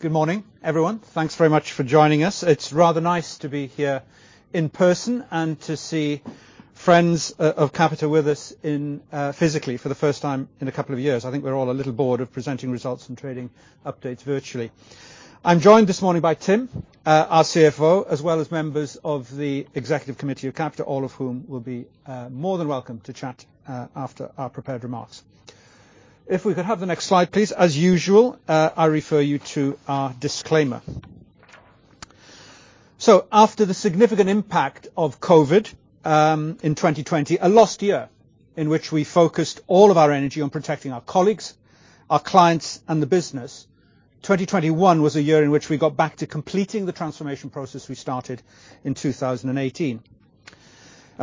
Good morning, everyone. Thanks very much for joining us. It's rather nice to be here in person and to see friends of Capita with us in physically for the first time in a couple of years. I think we're all a little bored of presenting results and trading updates virtually. I'm joined this morning by Tim, our CFO, as well as members of the executive committee of Capita, all of whom will be more than welcome to chat after our prepared remarks. If we could have the next slide, please. As usual, I refer you to our disclaimer. After the significant impact of COVID in 2020, a lost year in which we focused all of our energy on protecting our colleagues, our clients, and the business, 2021 was a year in which we got back to completing the transformation process we started in 2018.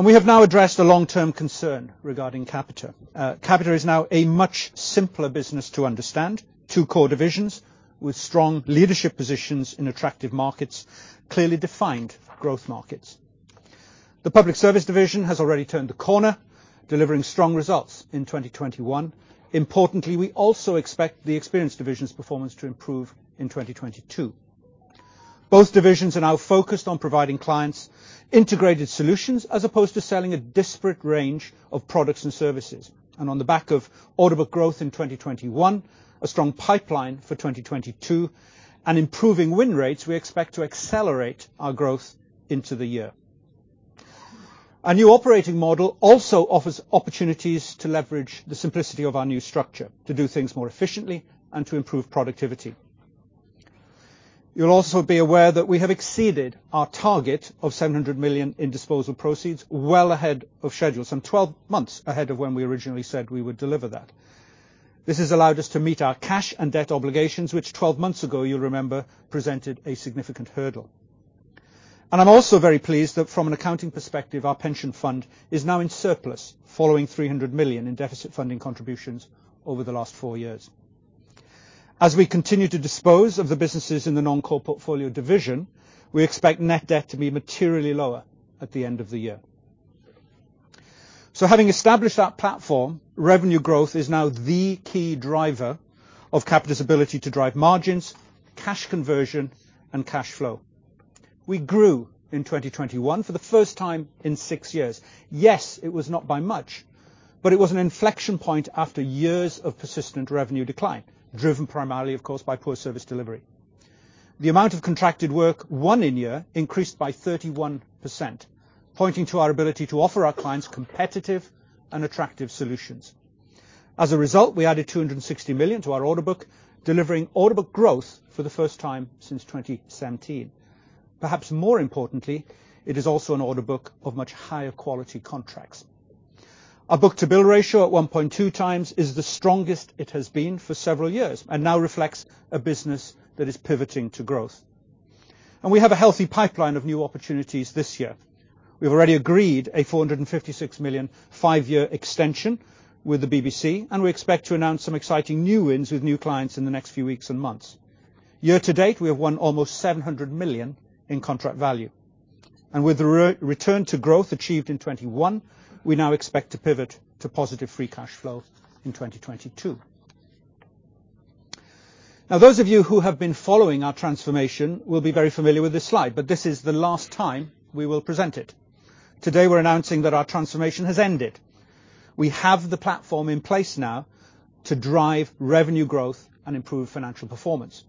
We have now addressed a long-term concern regarding Capita. Capita is now a much simpler business to understand, two core divisions with strong leadership positions in attractive markets, clearly defined growth markets. The Public Service division has already turned a corner, delivering strong results in 2021. Importantly, we also expect the Experience division's performance to improve in 2022. Both divisions are now focused on providing clients integrated solutions as opposed to selling a disparate range of products and services. On the back of order book growth in 2021, a strong pipeline for 2022, and improving win rates, we expect to accelerate our growth into the year. Our new operating model also offers opportunities to leverage the simplicity of our new structure, to do things more efficiently and to improve productivity. You'll also be aware that we have exceeded our target of 700 million in disposal proceeds well ahead of schedule, some 12 months ahead of when we originally said we would deliver that. This has allowed us to meet our cash and debt obligations, which 12 months ago, you remember, presented a significant hurdle. I'm also very pleased that from an accounting perspective, our pension fund is now in surplus following 300 million in deficit funding contributions over the last four years. As we continue to dispose of the businesses in the non-core portfolio division, we expect net debt to be materially lower at the end of the year. Having established that platform, revenue growth is now the key driver of Capita's ability to drive margins, cash conversion, and cash flow. We grew in 2021 for the first time in six years. Yes, it was not by much, but it was an inflection point after years of persistent revenue decline, driven primarily, of course, by poor service delivery. The amount of contracted work won in year increased by 31%, pointing to our ability to offer our clients competitive and attractive solutions. As a result, we added 260 million to our order book, delivering order book growth for the first time since 2017. Perhaps more importantly, it is also an order book of much higher-quality contracts. Our book-to-bill ratio at 1.2x is the strongest it has been for several years and now reflects a business that is pivoting to growth. We have a healthy pipeline of new opportunities this year. We've already agreed a 456 million five-year extension with the BBC, and we expect to announce some exciting new wins with new clients in the next few weeks and months. Year to date, we have won almost 700 million in contract value. With the return to growth achieved in 2021, we now expect to pivot to positive free cash flow in 2022. Now, those of you who have been following our transformation will be very familiar with this slide, but this is the last time we will present it. Today, we're announcing that our transformation has ended. We have the platform in place now to drive revenue growth and improve financial performance.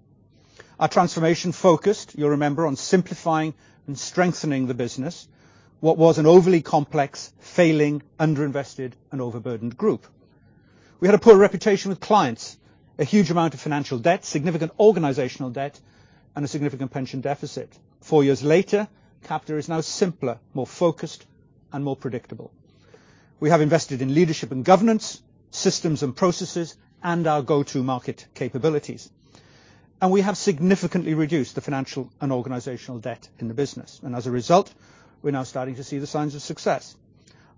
Our transformation focused, you remember, on simplifying and strengthening the business, what was an overly complex, failing, underinvested, and overburdened group. We had a poor reputation with clients, a huge amount of financial debt, significant organizational debt, and a significant pension deficit. Four years later, Capita is now simpler, more focused, and more predictable. We have invested in leadership and governance, systems and processes, and our go-to-market capabilities. We have significantly reduced the financial and organizational debt in the business. As a result, we're now starting to see the signs of success.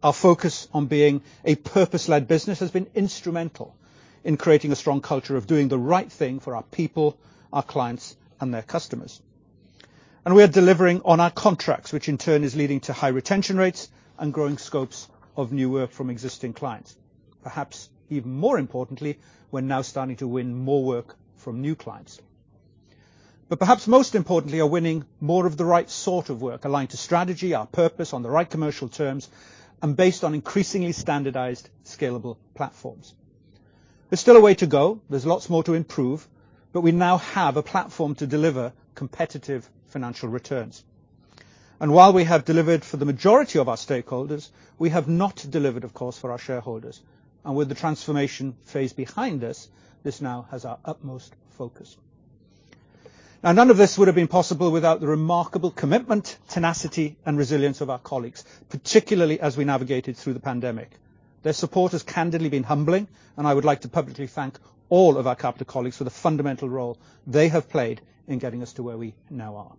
Our focus on being a purpose-led business has been instrumental in creating a strong culture of doing the right thing for our people, our clients, and their customers. We are delivering on our contracts, which in turn is leading to high retention rates and growing scopes of new work from existing clients. Perhaps even more importantly, we're now starting to win more work from new clients. Perhaps most importantly, we are winning more of the right sort of work, aligned to strategy, our purpose on the right commercial terms, and based on increasingly standardized, scalable platforms. There's still a way to go. There's lots more to improve, but we now have a platform to deliver competitive financial returns. While we have delivered for the majority of our stakeholders, we have not delivered, of course, for our shareholders. With the transformation phase behind us, this now has our utmost focus. Now, none of this would have been possible without the remarkable commitment, tenacity, and resilience of our colleagues, particularly as we navigated through the pandemic. Their support has candidly been humbling, and I would like to publicly thank all of our Capita colleagues for the fundamental role they have played in getting us to where we now are.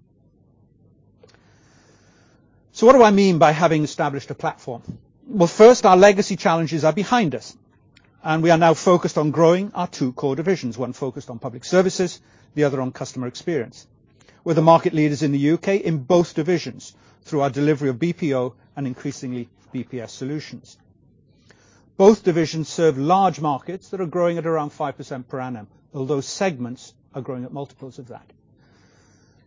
What do I mean by having established a platform? Well, first, our legacy challenges are behind us, and we are now focused on growing our two core divisions, one focused on public services, the other on customer experience. We're the market leaders in the U.K. in both divisions through our delivery of BPO and increasingly BPS solutions. Both divisions serve large markets that are growing at around 5% per annum, although segments are growing at multiples of that.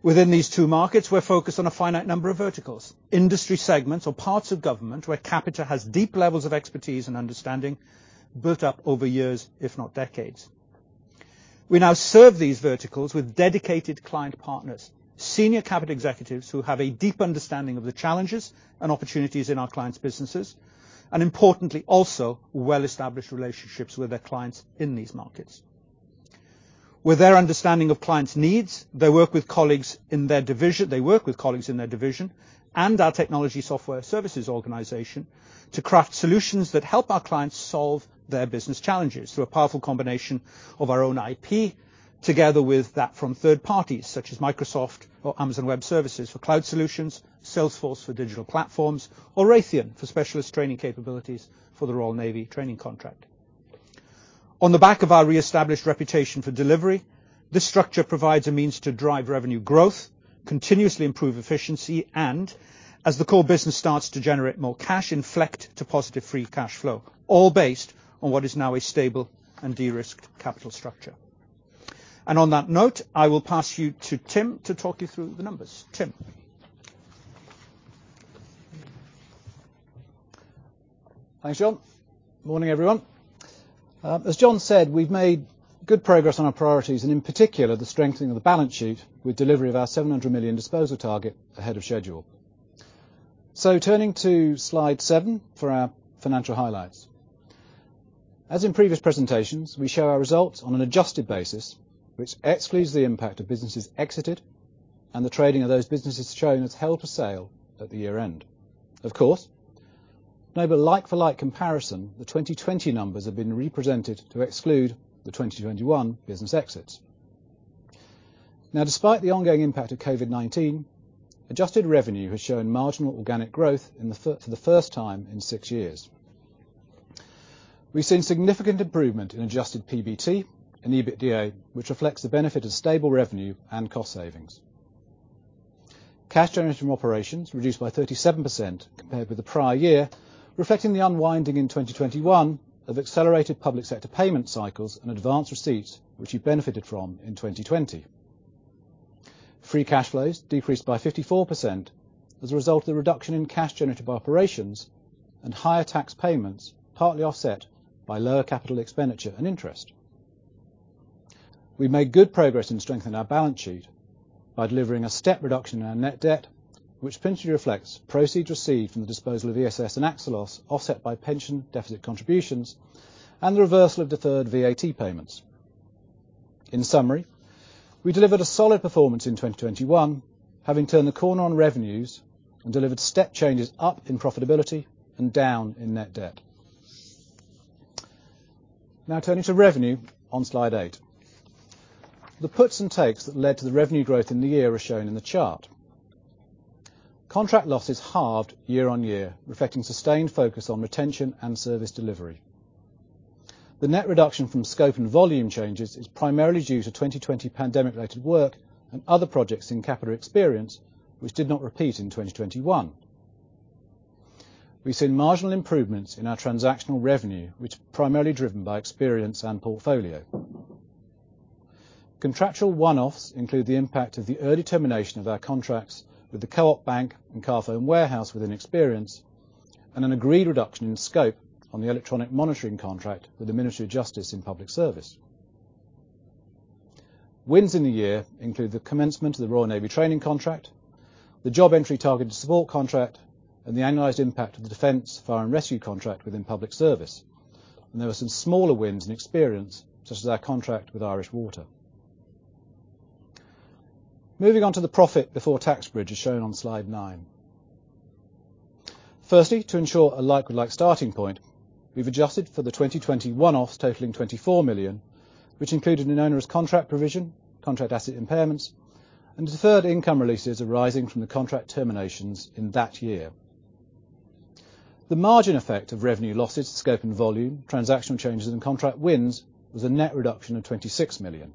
Within these two markets, we're focused on a finite number of verticals, industry segments or parts of government where Capita has deep levels of expertise and understanding built up over years, if not decades. We now serve these verticals with dedicated client partners, senior Capita executives who have a deep understanding of the challenges and opportunities in our clients' businesses, and importantly, also well-established relationships with their clients in these markets. With their understanding of clients' needs, they work with colleagues in their division and our technology software services organization to craft solutions that help our clients solve their business challenges through a powerful combination of our own IP, together with that from third parties such as Microsoft or Amazon Web Services for cloud solutions, Salesforce for digital platforms, or Raytheon for specialist training capabilities for the Royal Navy training contract. On the back of our reestablished reputation for delivery, this structure provides a means to drive revenue growth, continuously improve efficiency, and as the core business starts to generate more cash inflect to positive free cash flow, all based on what is now a stable and de-risked capital structure. On that note, I will pass you to Tim to talk you through the numbers. Tim? Thanks, Jon. Morning, everyone. As Jon said, we've made good progress on our priorities and in particular, the strengthening of the balance sheet with delivery of our 700 million disposal target ahead of schedule. Turning to slide seven for our financial highlights. As in previous presentations, we show our results on an adjusted basis, which excludes the impact of businesses exited and the trading of those businesses shown as held for sale at the year-end. Of course, to enable a like-for-like comparison, the 2020 numbers have been represented to exclude the 2021 business exits. Now, despite the ongoing impact of COVID-19, adjusted revenue has shown marginal organic growth for the first time in six years. We've seen significant improvement in adjusted PBT and EBITDA, which reflects the benefit of stable revenue and cost savings. Cash generated from operations reduced by 37% compared with the prior year, reflecting the unwinding in 2021 of accelerated public sector payment cycles and advanced receipts which you benefited from in 2020. Free cash flows decreased by 54% as a result of the reduction in cash generated by operations and higher tax payments, partly offset by lower capital expenditure and interest. We made good progress in strengthening our balance sheet by delivering a step reduction in our net debt, which principally reflects proceeds received from the disposal of ESS and AXELOS, offset by pension deficit contributions and the reversal of deferred VAT payments. In summary, we delivered a solid performance in 2021, having turned the corner on revenues and delivered step changes up in profitability and down in net debt. Now turning to revenue on slide 8. The puts and takes that led to the revenue growth in the year are shown in the chart. Contract losses halved year-on-year, reflecting sustained focus on retention and service delivery. The net reduction from scope and volume changes is primarily due to 2020 pandemic-related work and other projects in Capita Experience which did not repeat in 2021. We've seen marginal improvements in our transactional revenue, which are primarily driven by Experience and Portfolio. Contractual one-offs include the impact of the early termination of our contracts with the Co-op Bank and Carphone Warehouse within Experience, and an agreed reduction in scope on the electronic monitoring contract with the Ministry of Justice in Public Service. Wins in the year include the commencement of the Royal Navy training contract, the Job Entry Targeted Support contract, and the annualized impact of the defense fire and rescue contract within Public Service. There were some smaller wins in Experience, such as our contract with Irish Water. Moving on to the profit before tax bridge as shown on slide nine. Firstly, to ensure a like-for-like starting point, we've adjusted for the 2021 one-offs totaling 24 million, which included an onerous contract provision, contract asset impairments, and deferred income releases arising from the contract terminations in that year. The margin effect of revenue losses, scope and volume, transactional changes and contract wins was a net reduction of 26 million.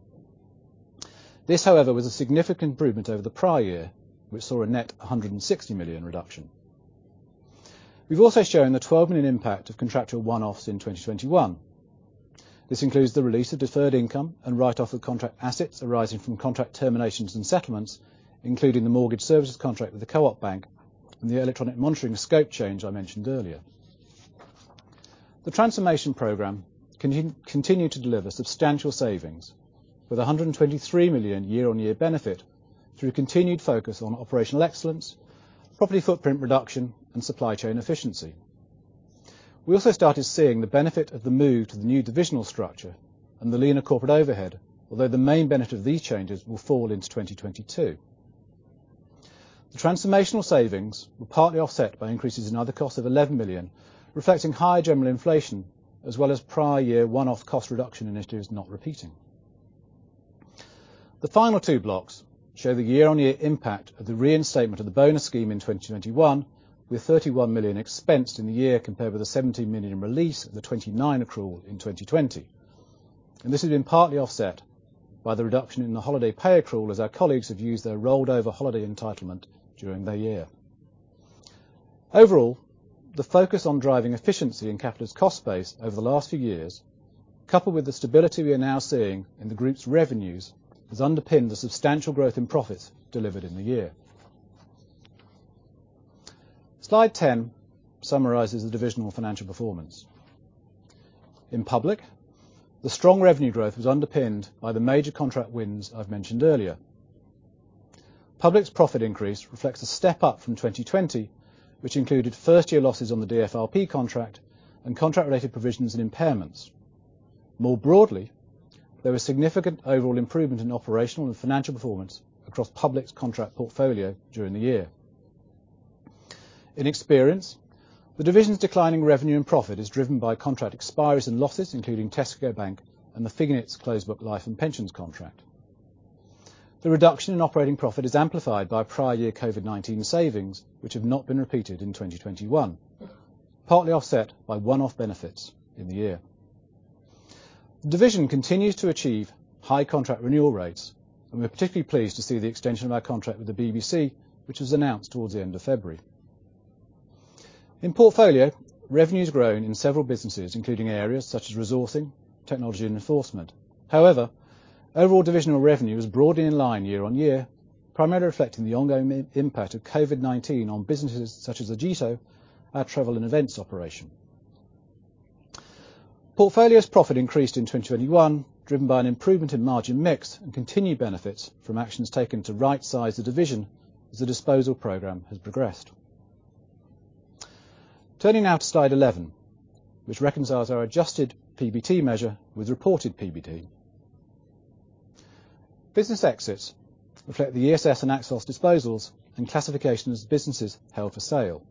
This, however, was a significant improvement over the prior year, which saw a net 160 million reduction. We've also shown the 12 million impact of contractual one-offs in 2021. This includes the release of deferred income and write-off of contract assets arising from contract terminations and settlements, including the mortgage services contract with the Co-op Bank and the electronic monitoring scope change I mentioned earlier. The transformation program continues to deliver substantial savings with a 123 million year-on-year benefit through continued focus on operational excellence, property footprint reduction, and supply chain efficiency. We also started seeing the benefit of the move to the new divisional structure and the leaner corporate overhead, although the main benefit of these changes will fall into 2022. The transformational savings were partly offset by increases in other costs of 11 million, reflecting higher general inflation as well as prior year one-off cost reduction initiatives not repeating. The final two blocks show the year-on-year impact of the reinstatement of the bonus scheme in 2021 with 31 million expensed in the year compared with the 17 million release of the 2019 accrual in 2020. This has been partly offset by the reduction in the holiday pay accrual as our colleagues have used their rolled over holiday entitlement during the year. Overall, the focus on driving efficiency and Capita's cost base over the last few years, coupled with the stability we are now seeing in the group's revenues, has underpinned the substantial growth in profits delivered in the year. Slide 10 summarizes the divisional financial performance. In Public, the strong revenue growth was underpinned by the major contract wins I've mentioned earlier. Public's profit increase reflects a step up from 2020, which included first-year losses on the DFRP contract and contract-related provisions and impairments. More broadly, there was significant overall improvement in operational and financial performance across public contract portfolio during the year. In Experience, the division's declining revenue and profit is driven by contract expiries and losses, including Tesco Bank and the Phoenix closed book Life & Pensions contract. The reduction in operating profit is amplified by prior year COVID-19 savings, which have not been repeated in 2021, partly offset by one-off benefits in the year. The division continues to achieve high contract renewal rates, and we're particularly pleased to see the extension of our contract with the BBC, which was announced towards the end of February. In Portfolio, revenue has grown in several businesses, including areas such as resourcing, technology and enforcement. However, overall divisional revenue is broadly in line year on year, primarily reflecting the ongoing impact of COVID-19 on businesses such as Agiito, our travel and events operation. Portfolio's profit increased in 2021, driven by an improvement in margin mix and continued benefits from actions taken to right size the division as the disposal program has progressed. Turning now to slide 11, which reconciles our adjusted PBT measure with reported PBT. Business exits reflect the ESS and AXELOS disposals and classifications as businesses held for sale.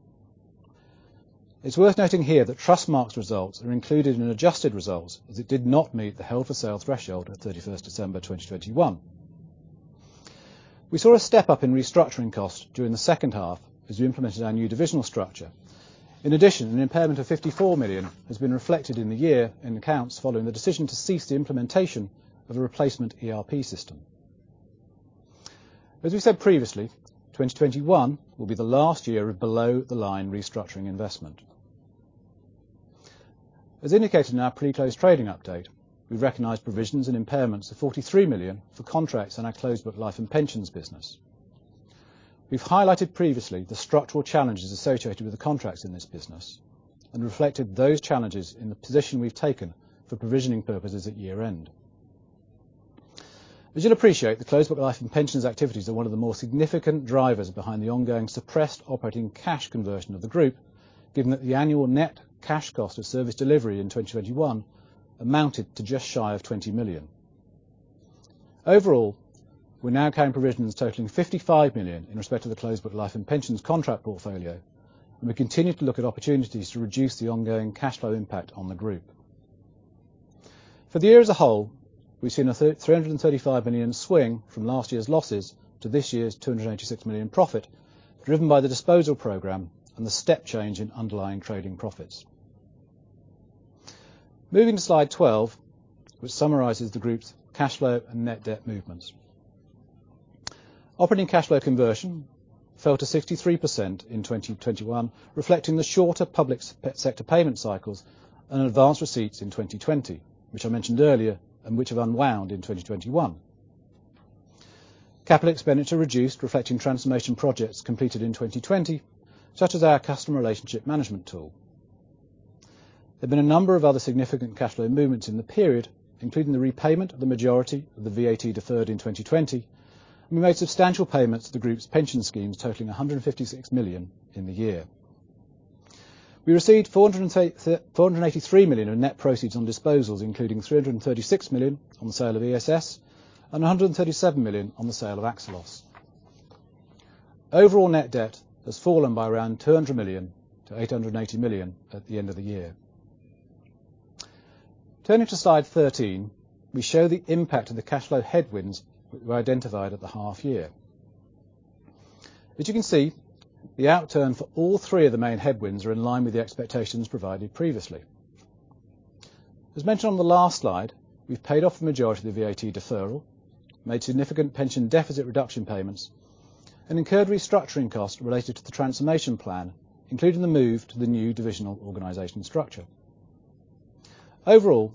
It's worth noting here that Trustmarque's results are included in adjusted results as it did not meet the held for sale threshold at 31st December 2021. We saw a step up in restructuring costs during the second half as we implemented our new divisional structure. In addition, an impairment of 54 million has been reflected in the year end accounts following the decision to cease the implementation of a replacement ERP system. As we said previously, 2021 will be the last year of below-the-line restructuring investment. As indicated in our pre-close trading update, we've recognized provisions and impairments of 43 million for contracts in our closed book Life & Pensions business. We've highlighted previously the structural challenges associated with the contracts in this business and reflected those challenges in the position we've taken for provisioning purposes at year-end. As you'll appreciate, the closed book Life & Pensions activities are one of the more significant drivers behind the ongoing suppressed operating cash conversion of the group, given that the annual net cash cost of service delivery in 2021 amounted to just shy of 20 million. Overall, we're now carrying provisions totaling 55 million in respect to the closed book Life & Pensions contract portfolio, and we continue to look at opportunities to reduce the ongoing cash flow impact on the group. For the year as a whole, we've seen a 335 million swing from last year's losses to this year's 286 million profit, driven by the disposal program and the step change in underlying trading profits. Moving to slide 12, which summarizes the group's cash flow and net debt movements. Operating cash flow conversion fell to 63% in 2021, reflecting the shorter public sector payment cycles and advanced receipts in 2020, which I mentioned earlier and which have unwound in 2021. Capital expenditure reduced, reflecting transformation projects completed in 2020, such as our customer relationship management tool. There have been a number of other significant cash flow movements in the period, including the repayment of the majority of the VAT deferred in 2020. We made substantial payments to the group's pension schemes totaling 156 million in the year. We received four hundred and eighty-three million in net proceeds on disposals, including 336 million on the sale of ESS and 137 million on the sale of AXELOS. Overall net debt has fallen by around 200 million to 880 million at the end of the year. Turning to slide 13, we show the impact of the cash flow headwinds that we identified at the half-year. As you can see, the outturn for all three of the main headwinds are in line with the expectations provided previously. As mentioned on the last slide, we've paid off the majority of the VAT deferral, made significant pension deficit reduction payments, and incurred restructuring costs related to the transformation plan, including the move to the new divisional organization structure. Overall,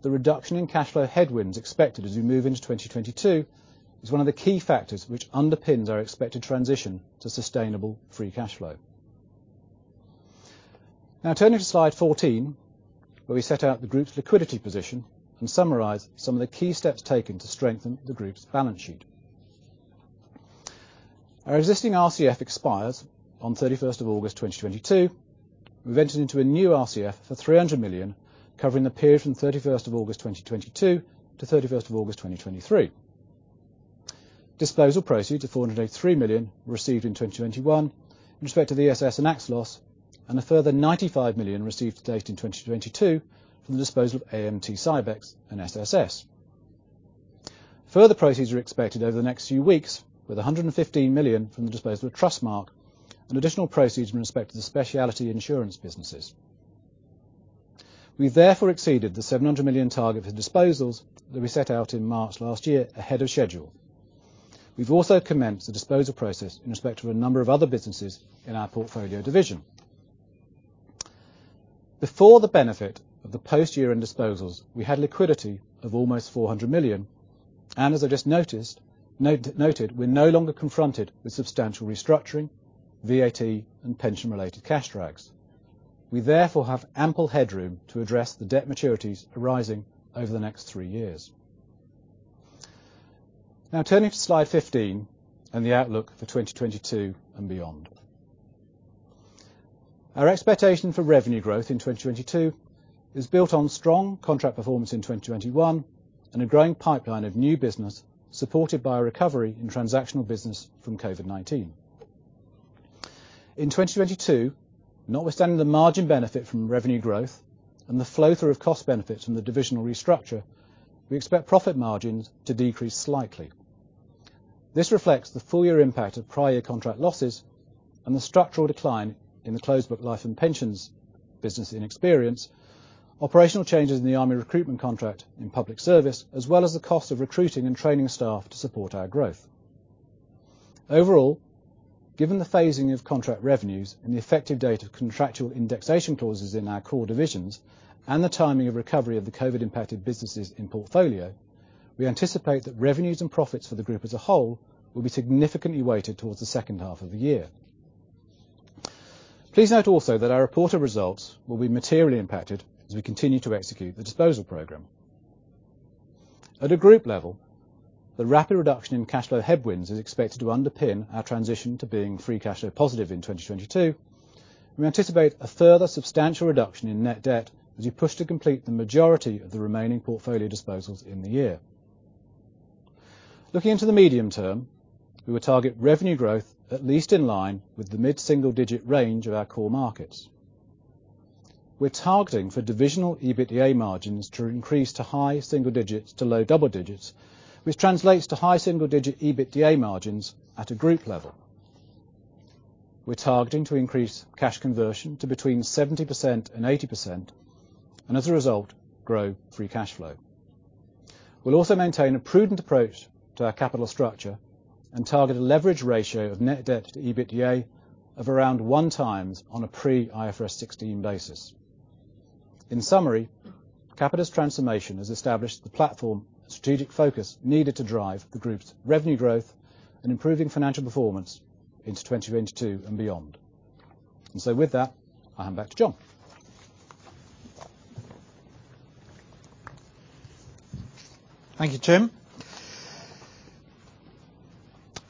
the reduction in cash flow headwinds expected as we move into 2022 is one of the key factors which underpins our expected transition to sustainable free cash flow. Now turning to slide 14, where we set out the group's liquidity position and summarize some of the key steps taken to strengthen the group's balance sheet. Our existing RCF expires on August 31, 2022. We've entered into a new RCF for 300 million covering the period from 31st August 2022 to 31st August 2023. Disposal proceeds of 483 million received in 2021 in respect of the ESS and AXELOS and a further 95 million received to date in 2022 from the disposal of AMT-SYBEX and SSS. Further proceeds are expected over the next few weeks, with 115 million from the disposal of Trustmarque and additional proceeds in respect to the specialty insurance businesses. We therefore exceeded the 700 million target for disposals that we set out in March last year ahead of schedule. We've also commenced the disposal process in respect to a number of other businesses in our portfolio division. Before the benefit of the post-year-end disposals, we had liquidity of almost 400 million. As I just noted, we're no longer confronted with substantial restructuring, VAT, and pension-related cash drags. We therefore have ample headroom to address the debt maturities arising over the next three years. Now turning to slide 15 and the outlook for 2022 and beyond. Our expectation for revenue growth in 2022 is built on strong contract performance in 2021 and a growing pipeline of new business supported by a recovery in transactional business from COVID-19. In 2022, notwithstanding the margin benefit from revenue growth and the flow-through of cost benefits from the divisional restructure, we expect profit margins to decrease slightly. This reflects the full-year impact of prior contract losses and the structural decline in the closed book Life & Pensions business in Experience, operational changes in the Army Recruitment contract in Public Service, as well as the cost of recruiting and training staff to support our growth. Overall, given the phasing of contract revenues and the effective date of contractual indexation clauses in our core divisions and the timing of recovery of the COVID-19-impacted businesses in Portfolio, we anticipate that revenues and profits for the group as a whole will be significantly weighted towards the second half of the year. Please note also that our reported results will be materially impacted as we continue to execute the disposal program. At a group level, the rapid reduction in cash flow headwinds is expected to underpin our transition to being free cash flow positive in 2022. We anticipate a further substantial reduction in net debt as we push to complete the majority of the remaining portfolio disposals in the year. Looking into the medium term, we will target revenue growth at least in line with the mid-single-digit range of our core markets. We're targeting for divisional EBITDA margins to increase to high single digits to low double digits, which translates to high single-digit EBITDA margins at a group level. We're targeting to increase cash conversion to between 70% and 80%, and as a result, grow free cash flow. We'll also maintain a prudent approach to our capital structure and target a leverage ratio of net debt to EBITDA of around 1x on a pre-IFRS 16 basis. In summary, Capita's transformation has established the platform and strategic focus needed to drive the group's revenue growth and improving financial performance into 2022 and beyond. With that, I hand back to Jon. Thank you, Tim.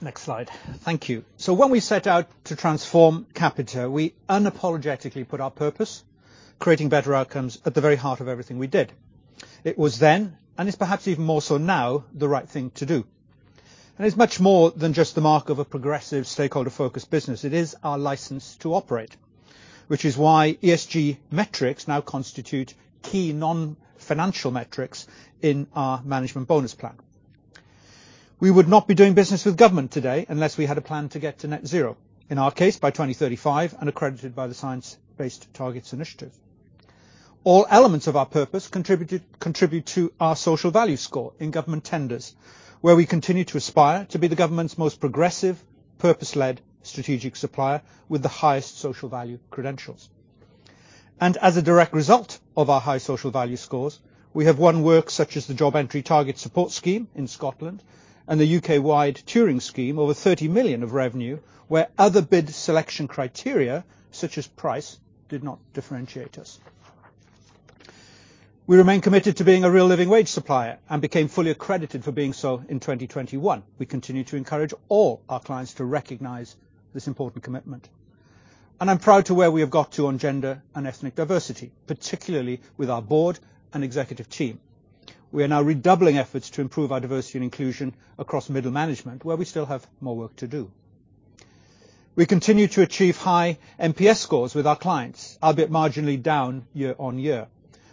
Next slide. Thank you. When we set out to transform Capita, we unapologetically put our purpose, creating better outcomes, at the very heart of everything we did. It was then, and is perhaps even more so now, the right thing to do. It's much more than just the mark of a progressive stakeholder-focused business. It is our license to operate, which is why ESG metrics now constitute key non-financial metrics in our management bonus plan. We would not be doing business with government today unless we had a plan to get to net zero, in our case by 2035, and accredited by the Science Based Targets initiative. All elements of our purpose contributed, contribute to our social value score in government tenders, where we continue to aspire to be the government's most progressive, purpose-led strategic supplier with the highest social value credentials. As a direct result of our high social value scores, we have won work such as the Job Entry Targeted Support Scheme in Scotland and the U.K.-wide Turing Scheme, over 30 million of revenue, where other bid selection criteria, such as price, did not differentiate us. We remain committed to being a real living wage supplier and became fully accredited for being so in 2021. We continue to encourage all our clients to recognize this important commitment. I'm proud of where we have got to on gender and ethnic diversity, particularly with our board and executive team. We are now redoubling efforts to improve our diversity and inclusion across middle management, where we still have more work to do. We continue to achieve high NPS scores with our clients, albeit marginally down year-on-year.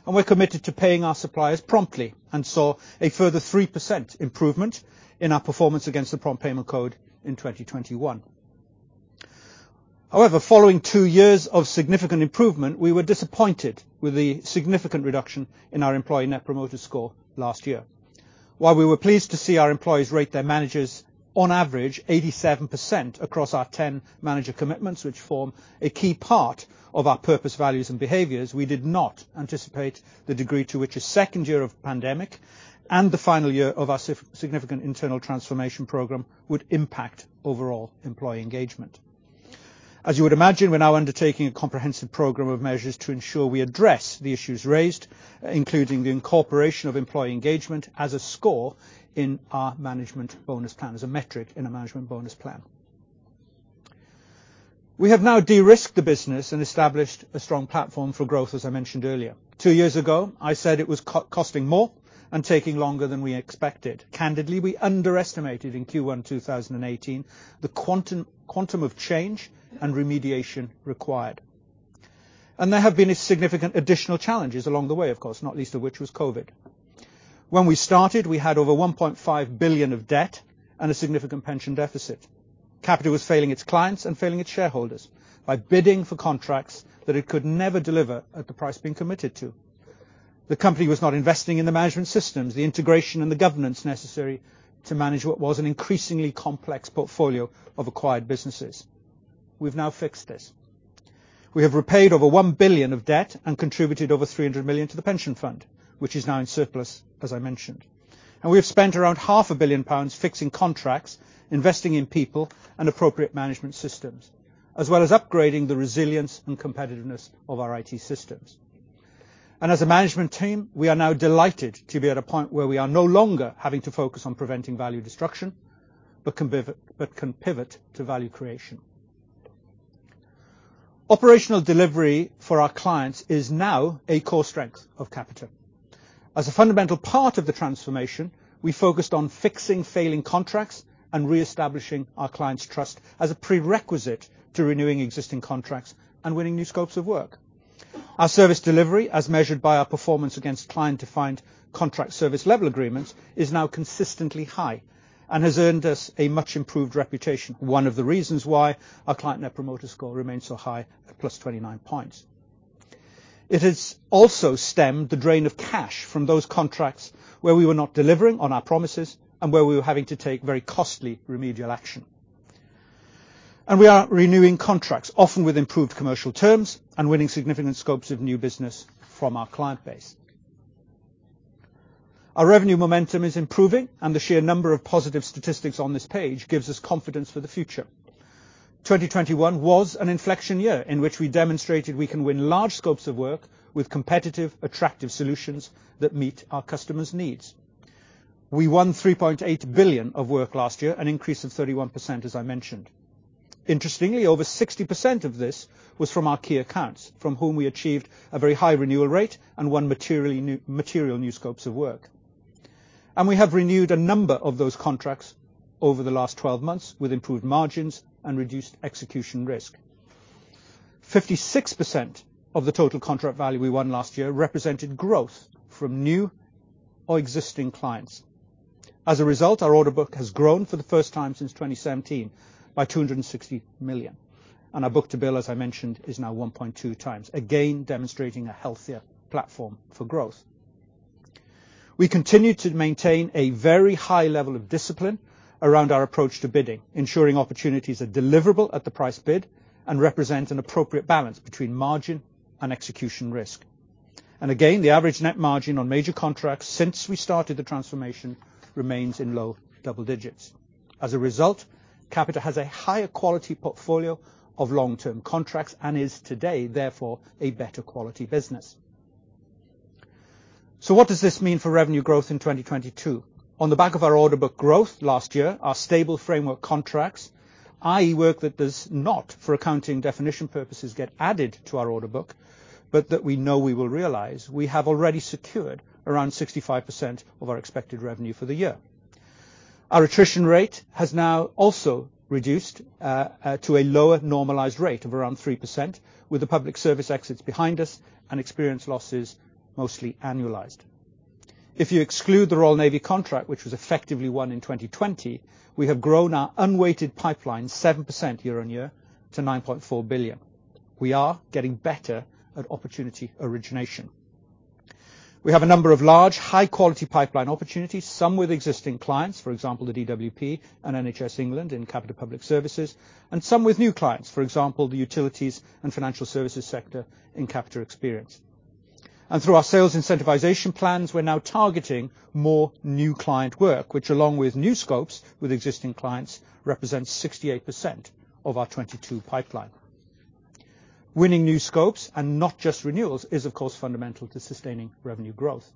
We're committed to paying our suppliers promptly and saw a further 3% improvement in our performance against the Prompt Payment Code in 2021. However, following two years of significant improvement, we were disappointed with the significant reduction in our employee net promoter score last year. While we were pleased to see our employees rate their managers on average 87% across our 10 manager commitments, which form a key part of our purpose, values, and behaviors, we did not anticipate the degree to which a second year of pandemic and the final year of our significant internal transformation program would impact overall employee engagement. As you would imagine, we're now undertaking a comprehensive program of measures to ensure we address the issues raised, including the incorporation of employee engagement as a score in our management bonus plan, as a metric in our management bonus plan. We have now de-risked the business and established a strong platform for growth, as I mentioned earlier. Two years ago, I said it was costing more and taking longer than we expected. Candidly, we underestimated in Q1 2018 the quantum of change and remediation required. There have been significant additional challenges along the way, of course, not least of which was COVID. When we started, we had over 1.5 billion of debt and a significant pension deficit. Capita was failing its clients and failing its shareholders by bidding for contracts that it could never deliver at the price being committed to. The company was not investing in the management systems, the integration and the governance necessary to manage what was an increasingly complex portfolio of acquired businesses. We've now fixed this. We have repaid over 1 billion of debt and contributed over 300 million to the pension fund, which is now in surplus, as I mentioned. We have spent around half a billion pounds fixing contracts, investing in people, and appropriate management systems, as well as upgrading the resilience and competitiveness of our IT systems. As a management team, we are now delighted to be at a point where we are no longer having to focus on preventing value destruction, but can pivot to value creation. Operational delivery for our clients is now a core strength of Capita. As a fundamental part of the transformation, we focused on fixing failing contracts and reestablishing our clients' trust as a prerequisite to renewing existing contracts and winning new scopes of work. Our service delivery, as measured by our performance against client-defined contract service level agreements, is now consistently high and has earned us a much-improved reputation, one of the reasons why our client net promoter score remains so high at +29 points. It has also stemmed the drain of cash from those contracts where we were not delivering on our promises and where we were having to take very costly remedial action. We are renewing contracts, often with improved commercial terms and winning significant scopes of new business from our client base. Our revenue momentum is improving, and the sheer number of positive statistics on this page gives us confidence for the future. 2021 was an inflection year in which we demonstrated we can win large scopes of work with competitive, attractive solutions that meet our customers' needs. We won 3.8 billion of work last year, an increase of 31%, as I mentioned. Interestingly, over 60% of this was from our key accounts, from whom we achieved a very high renewal rate and won material new scopes of work. We have renewed a number of those contracts over the last 12 months with improved margins and reduced execution risk. 56% of the total contract value we won last year represented growth from new or existing clients. As a result, our order book has grown for the first time since 2017 by 260 million. Our book-to-bill, as I mentioned, is now 1.2x, again demonstrating a healthier platform for growth. We continue to maintain a very high level of discipline around our approach to bidding, ensuring opportunities are deliverable at the price bid and represent an appropriate balance between margin and execution risk. Again, the average net margin on major contracts since we started the transformation remains in low double digits. As a result, Capita has a higher quality portfolio of long-term contracts and is today, therefore, a better quality business. What does this mean for revenue growth in 2022? On the back of our order book growth last year, our stable framework contracts, i.e., work that does not, for accounting definition purposes, get added to our order book, but that we know we will realize, we have already secured around 65% of our expected revenue for the year. Our attrition rate has now also reduced to a lower normalized rate of around 3% with the public service exits behind us and experience losses mostly annualized. If you exclude the Royal Navy contract, which was effectively won in 2020, we have grown our unweighted pipeline 7% year-on-year to 9.4 billion. We are getting better at opportunity origination. We have a number of large, high-quality pipeline opportunities, some with existing clients, for example, the DWP and NHS England in Capita Public Service, and some with new clients, for example, the utilities and financial services sector in Capita Experience. Through our sales incentivization plans, we're now targeting more new client work, which along with new scopes with existing clients, represents 68% of our 2022 pipeline. Winning new scopes and not just renewals is, of course, fundamental to sustaining revenue growth.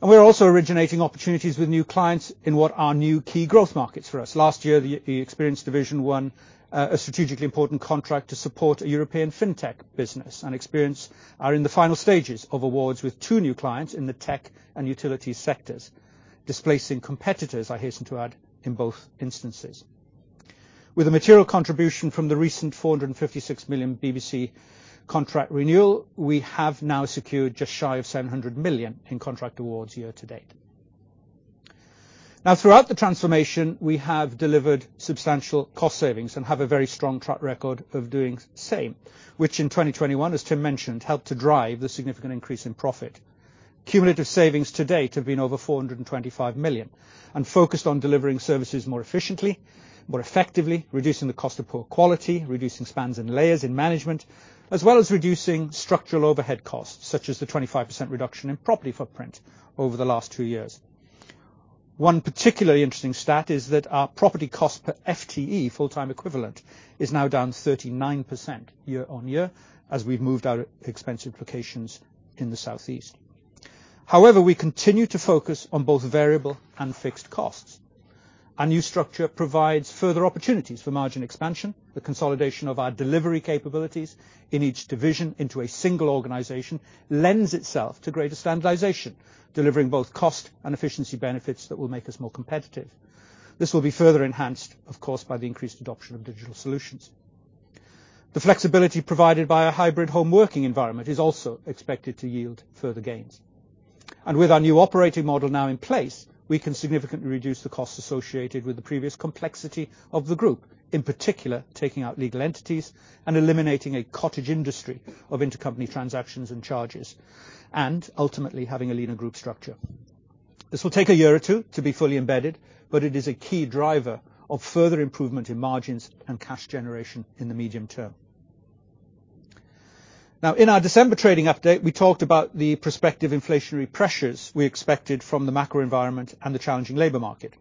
We're also originating opportunities with new clients in what are new key growth markets for us. Last year, the Experience division won a strategically important contract to support a European fintech business, and Experience are in the final stages of awards with two new clients in the tech and utility sectors, displacing competitors, I hasten to add, in both instances. With a material contribution from the recent 456 million BBC contract renewal, we have now secured just shy of 700 million in contract awards year to date. Now, throughout the transformation, we have delivered substantial cost savings and have a very strong track record of doing the same, which in 2021, as Tim mentioned, helped to drive the significant increase in profit. Cumulative savings to date have been over 425 million and focused on delivering services more efficiently, more effectively, reducing the cost of poor quality, reducing spans and layers in management, as well as reducing structural overhead costs, such as the 25% reduction in property footprint over the last two years. One particularly interesting stat is that our property cost per FTE, full-time equivalent, is now down 39% year-on-year as we've moved our expensive locations in the Southeast. However, we continue to focus on both variable and fixed costs. Our new structure provides further opportunities for margin expansion. The consolidation of our delivery capabilities in each division into a single organization lends itself to greater standardization, delivering both cost and efficiency benefits that will make us more competitive. This will be further enhanced, of course, by the increased adoption of digital solutions. The flexibility provided by a hybrid homeworking environment is also expected to yield further gains. With our new operating model now in place, we can significantly reduce the costs associated with the previous complexity of the group, in particular, taking out legal entities and eliminating a cottage industry of intercompany transactions and charges, and ultimately, having a leaner group structure. This will take a year or two to be fully embedded, but it is a key driver of further improvement in margins and cash generation in the medium term. Now, in our December trading update, we talked about the prospective inflationary pressures we expected from the macro environment and the challenging labor market.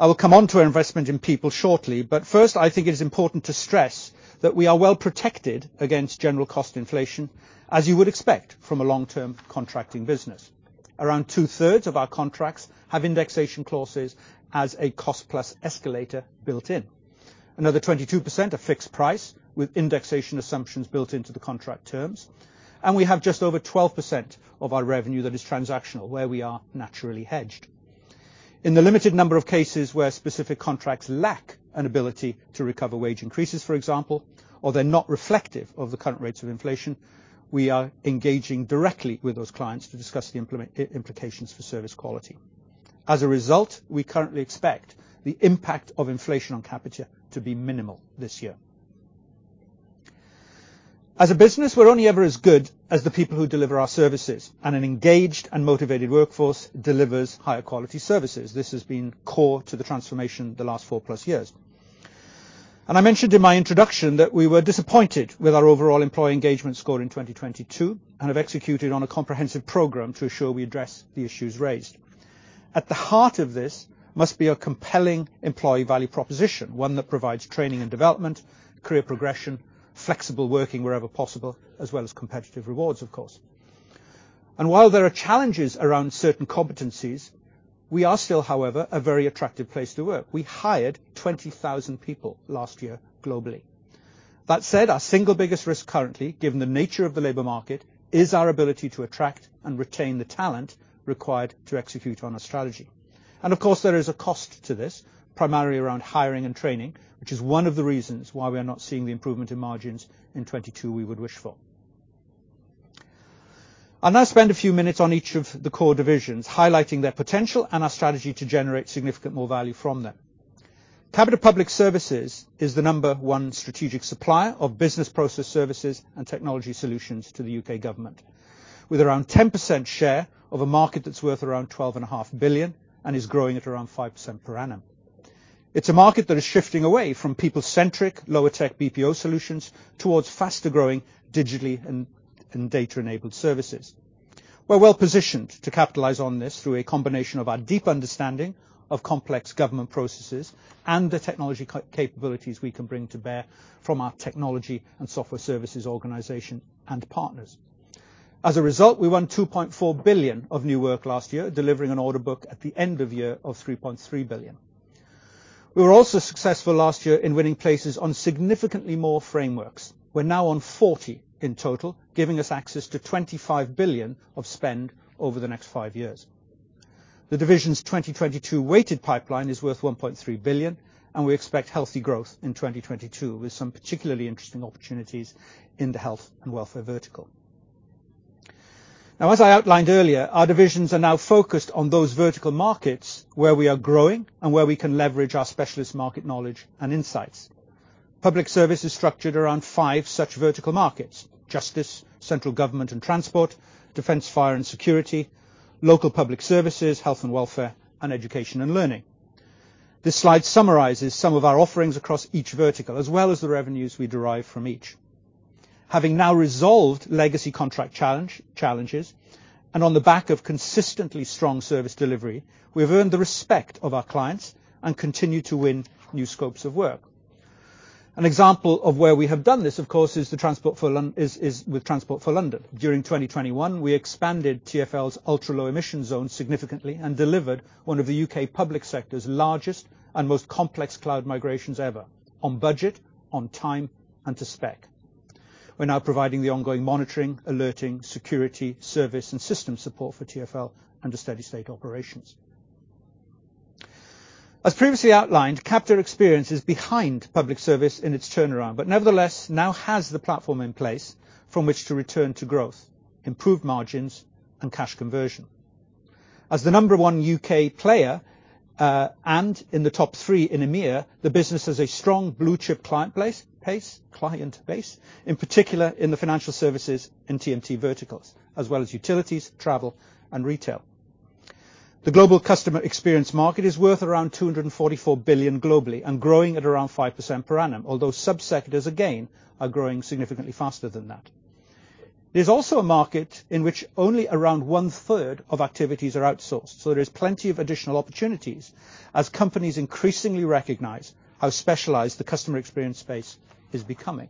I will come onto our investment in people shortly, but first, I think it is important to stress that we are well protected against general cost inflation, as you would expect from a long-term contracting business. Around 2/3 of our contracts have indexation clauses as a cost-plus escalator built in. Another 22% are fixed price with indexation assumptions built into the contract terms, and we have just over 12% of our revenue that is transactional, where we are naturally hedged. In the limited number of cases where specific contracts lack an ability to recover wage increases, for example, or they're not reflective of the current rates of inflation, we are engaging directly with those clients to discuss the implications for service quality. As a result, we currently expect the impact of inflation on Capita to be minimal this year. As a business, we're only ever as good as the people who deliver our services, and an engaged and motivated workforce delivers higher-quality services. This has been core to the transformation the last four-plus years. I mentioned in my introduction that we were disappointed with our overall employee engagement score in 2022, and have executed on a comprehensive program to ensure we address the issues raised. At the heart of this must be a compelling employee value proposition, one that provides training and development, career progression, flexible working wherever possible, as well as competitive rewards, of course. While there are challenges around certain competencies, we are still, however, a very attractive place to work. We hired 20,000 people last year globally. That said, our single biggest risk currently, given the nature of the labor market, is our ability to attract and retain the talent required to execute on our strategy. Of course, there is a cost to this, primarily around hiring and training, which is one of the reasons why we are not seeing the improvement in margins in 2022 we would wish for. I'll now spend a few minutes on each of the core divisions, highlighting their potential and our strategy to generate significant more value from them. Capita Public Service is the number one strategic supplier of business process services and technology solutions to the U.K. government. With around 10% share of a market that's worth around 12.5 billion and is growing at around 5% per annum. It's a market that is shifting away from people-centric, lower-tech BPO solutions towards faster-growing digitally and data-enabled services. We're well-positioned to capitalize on this through a combination of our deep understanding of complex government processes and the technology capabilities we can bring to bear from our technology and software services organization and partners. As a result, we won 2.4 billion of new work last year, delivering an order book at the end of year of 3.3 billion. We were also successful last year in winning places on significantly more frameworks. We're now on 40 in total, giving us access to 25 billion of spend over the next five years. The division's 2022 weighted pipeline is worth 1.3 billion, and we expect healthy growth in 2022, with some particularly interesting opportunities in the health and welfare vertical. Now, as I outlined earlier, our divisions are now focused on those vertical markets where we are growing and where we can leverage our specialist market knowledge and insights. Public Service is structured around five such vertical markets: Justice, Central Government and Transport, Defense, Fire and Security, Local Public Services, Health and Welfare, and Education and Learning. This slide summarizes some of our offerings across each vertical, as well as the revenues we derive from each. Having now resolved legacy contract challenges, and on the back of consistently strong service delivery, we've earned the respect of our clients and continue to win new scopes of work. An example of where we have done this, of course, is with Transport for London. During 2021, we expanded TfL's Ultra Low Emission Zone significantly and delivered one of the U.K. public sector's largest and most complex cloud migrations ever on budget, on time, and to spec. We're now providing the ongoing monitoring, alerting, security, service, and system support for TfL under steady-state operations. As previously outlined, Capita Experience is behind Capita Public Service in its turnaround, but nevertheless, now has the platform in place from which to return to growth, improve margins, and cash conversion. As the number one U.K. player and in the top three in EMEIA, the business has a strong blue-chip client base, in particular in the financial services and TMT verticals, as well as utilities, travel, and retail. The global customer experience market is worth around 244 billion globally and growing at around 5% per annum, although sub-sectors again are growing significantly faster than that. There's also a market in which only around 1/3 of activities are outsourced, so there is plenty of additional opportunities as companies increasingly recognize how specialized the customer experience space is becoming.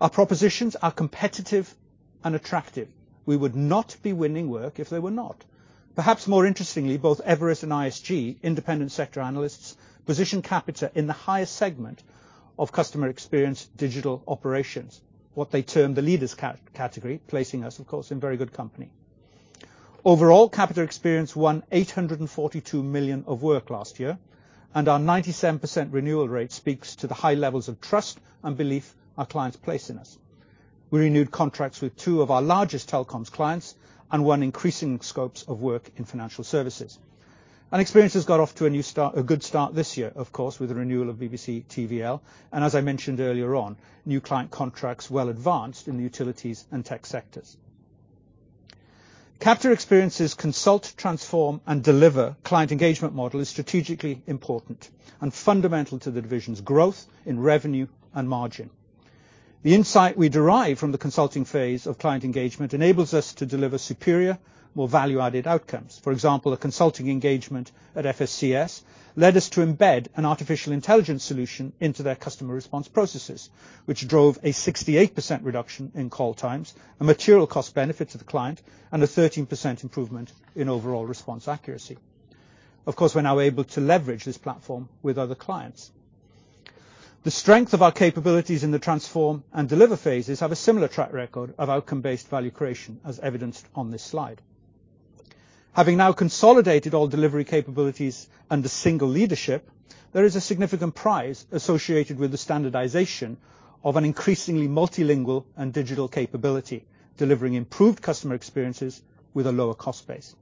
Our propositions are competitive and attractive. We would not be winning work if they were not. Perhaps more interestingly, both Everest Group and ISG, independent sector analysts, position Capita in the highest segment of customer experience digital operations, what they term the leaders category, placing us, of course, in very good company. Overall, Capita Experience won 842 million of work last year, and our 97% renewal rate speaks to the high levels of trust and belief our clients place in us. We renewed contracts with two of our largest telecoms clients and won increasing scopes of work in financial services. Experience has got off to a new start, a good start this year, of course, with the renewal of BBC TVL, and as I mentioned earlier on, new client contracts well advanced in the utilities and tech sectors. Capita Experience's consult, transform, and deliver client engagement model is strategically important and fundamental to the division's growth in revenue and margin. The insight we derive from the consulting phase of client engagement enables us to deliver superior, more value-added outcomes. For example, a consulting engagement at FSCS led us to embed an artificial intelligence solution into their customer response processes, which drove a 68% reduction in call times, a material cost benefit to the client, and a 13% improvement in overall response accuracy. Of course, we're now able to leverage this platform with other clients. The strength of our capabilities in the transform and deliver phases have a similar track record of outcome-based value creation, as evidenced on this slide. Having now consolidated all delivery capabilities under single leadership, there is a significant prize associated with the standardization of an increasingly multilingual and digital capability, delivering improved customer experiences with a lower cost base.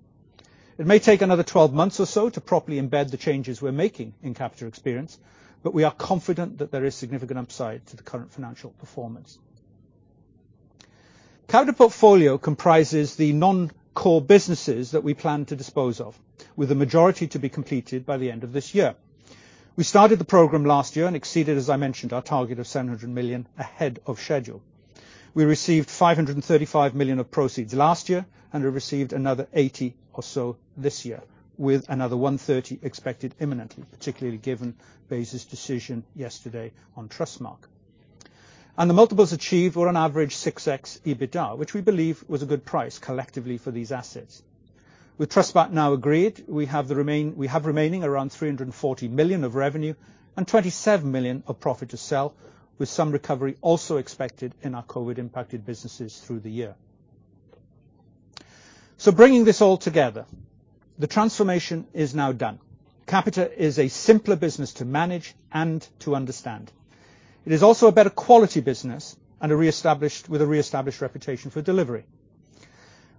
It may take another 12 months or so to properly embed the changes we're making in Capita Experience, but we are confident that there is significant upside to the current financial performance. Capita Portfolio comprises the non-core businesses that we plan to dispose of, with the majority to be completed by the end of this year. We started the program last year and exceeded, as I mentioned, our target of 700 million ahead of schedule. We received 535 million of proceeds last year, and we received another 80 million or so this year, with another 130 million expected imminently, particularly given Basis' decision yesterday on Trustmarque. The multiples achieved were on average 6x EBITDA, which we believe was a good price collectively for these assets. With Trustmarque now agreed, we have remaining around 340 million of revenue and 27 million of profit to sell, with some recovery also expected in our COVID-impacted businesses through the year. Bringing this all together, the transformation is now done. Capita is a simpler business to manage and to understand. It is also a better quality business with a reestablished reputation for delivery.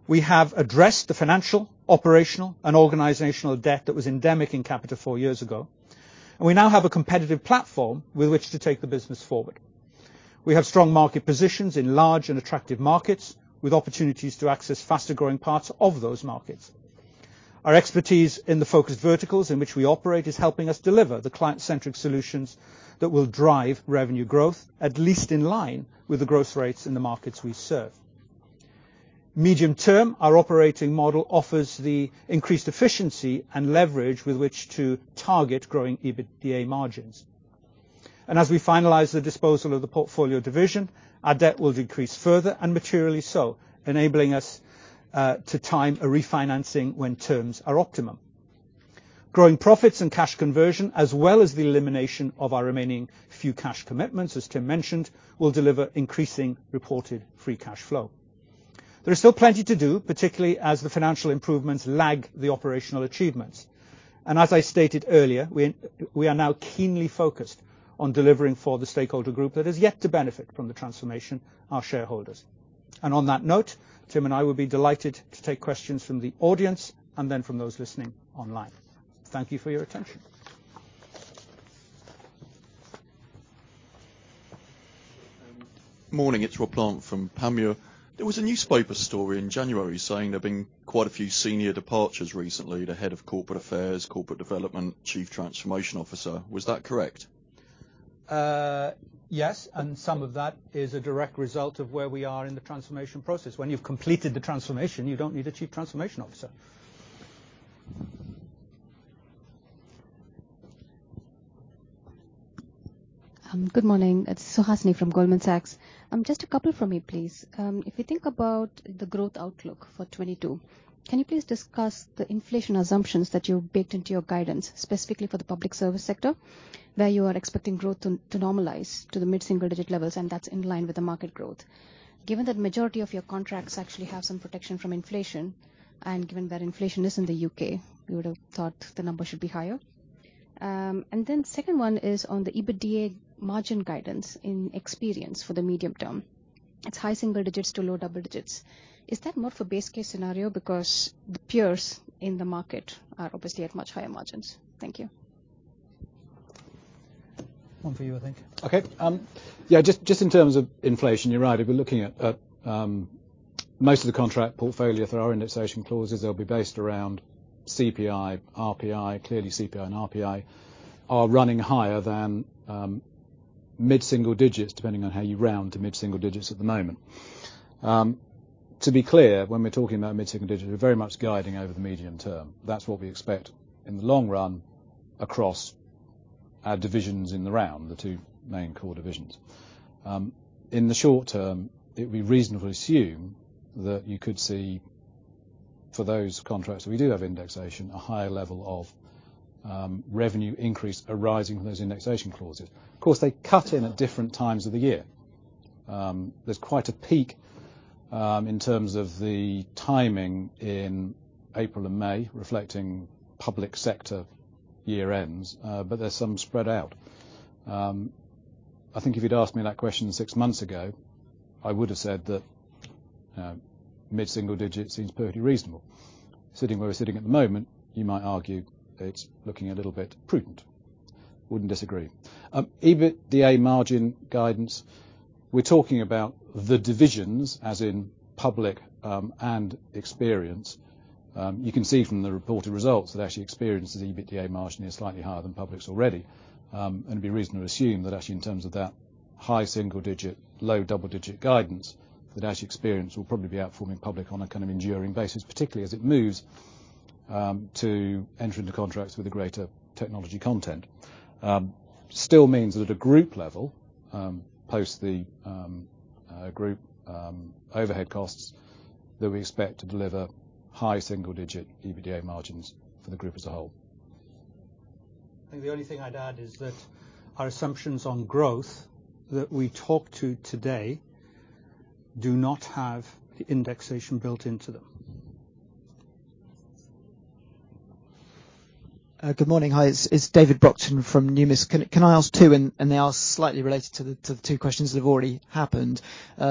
We have addressed the financial, operational, and organizational debt that was endemic in Capita four years ago, and we now have a competitive platform with which to take the business forward. We have strong market positions in large and attractive markets, with opportunities to access faster-growing parts of those markets. Our expertise in the focused verticals in which we operate is helping us deliver the client-centric solutions that will drive revenue growth, at least in line with the growth rates in the markets we serve. Medium term, our operating model offers the increased efficiency and leverage with which to target growing EBITDA margins. As we finalize the disposal of the portfolio division, our debt will decrease further and materially so, enabling us to time a refinancing when terms are optimum. Growing profits and cash conversion, as well as the elimination of our remaining few cash commitments, as Tim mentioned, will deliver increasing reported free cash flow. There is still plenty to do, particularly as the financial improvements lag the operational achievements. As I stated earlier, we are now keenly focused on delivering for the stakeholder group that has yet to benefit from the transformation, our shareholders. On that note, Tim and I will be delighted to take questions from the audience and then from those listening online. Thank you for your attention. Morning. It's Rob Plant from Panmure. There was a newspaper story in January saying there've been quite a few senior departures recently, the head of corporate affairs, corporate development, chief transformation officer. Was that correct? Yes, some of that is a direct result of where we are in the transformation process. When you've completed the transformation, you don't need a chief transformation officer. Good morning. It's Suhasini from Goldman Sachs. Just a couple from me, please. If you think about the growth outlook for 2022, can you please discuss the inflation assumptions that you've baked into your guidance, specifically for the Public Service sector, where you are expecting growth to normalize to the mid-single-digit levels, and that's in line with the market growth. Given that majority of your contracts actually have some protection from inflation and given that inflation is in the U.K., you would have thought the number should be higher. Second one is on the EBITDA margin guidance in Experience for the medium term. It's high single digits to low double digits. Is that more for base case scenario? Because the peers in the market are obviously at much higher margins. Thank you. One for you, I think. Okay. Yeah, just in terms of inflation, you're right. If we're looking at most of the contract portfolio for our indexation clauses, they'll be based around CPI, RPI. Clearly, CPI and RPI are running higher than mid-single digits, depending on how you round to mid-single digits at the moment. To be clear, when we're talking about mid-single digits, we're very much guiding over the medium term. That's what we expect in the long run across our divisions in the round, the two main core divisions. In the short term, it would be reasonable to assume that you could see, for those contracts where we do have indexation, a higher level of revenue increase arising from those indexation clauses. Of course, they cut in at different times of the year. There's quite a peak in terms of the timing in April and May, reflecting public sector year ends. There's some spread out. I think if you'd asked me that question six months ago, I would have said that mid-single digit seems perfectly reasonable. Sitting where we're sitting at the moment, you might argue it's looking a little bit prudent. Wouldn't disagree. EBITDA margin guidance, we're talking about the divisions, as in Public and Experience. You can see from the reported results that actually Experience's EBITDA margin is slightly higher than Public's already. It'd be reasonable to assume that actually in terms of that high single-digit, low double-digit guidance, that actually Experience will probably be outperforming Public on a kind of enduring basis, particularly as it moves to enter into contracts with a greater technology content. It still means that at a group level, post the group overhead costs, that we expect to deliver high single-digit EBITDA margins for the group as a whole. I think the only thing I'd add is that our assumptions on growth that we talk to today do not have the indexation built into them. Good morning. Hi. It's David Brockton from Numis. Can I ask two and they are slightly related to the two questions that have already happened,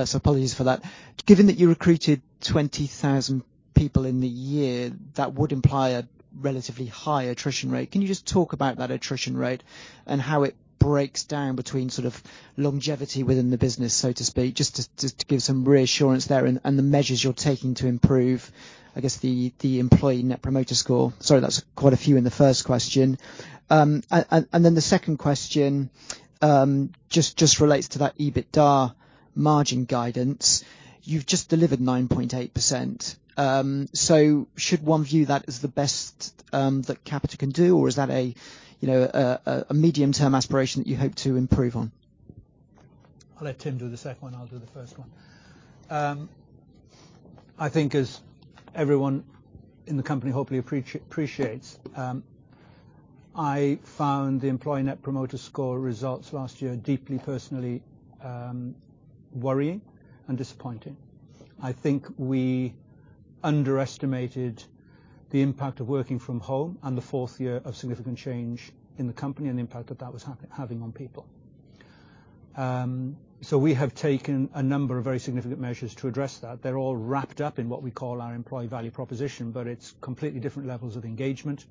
so apologies for that. Given that you recruited 20,000 people in the year, that would imply a relatively high attrition rate. Can you just talk about that attrition rate and how it breaks down between sort of longevity within the business, so to speak, just to give some reassurance there and the measures you're taking to improve, I guess, the employee Net Promoter Score? Sorry, that's quite a few in the first question. The second question just relates to that EBITDA margin guidance. You've just delivered 9.8%. Should one view that as the best that Capita can do, or is that a, you know, a medium-term aspiration that you hope to improve on? I'll let Tim do the second one. I'll do the first one. I think as everyone in the company hopefully appreciates, I found the employee Net Promoter Score results last year deeply, personally, worrying and disappointing. I think we underestimated the impact of working from home and the fourth year of significant change in the company and the impact that that was having on people. We have taken a number of very significant measures to address that. They're all wrapped up in what we call our employee value proposition, but it's completely different levels of engagement.